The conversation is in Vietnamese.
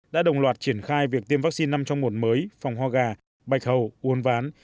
đã đồng loạt triển khai việc tiêm vaccine năm trong một mới phòng hoa gà bạch hầu uôn ván